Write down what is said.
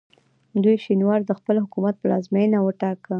دوی شینوار د خپل حکومت پلازمینه وټاکه.